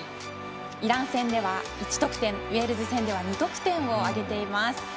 イラン戦では１得点ウェールズ戦では２得点を挙げています。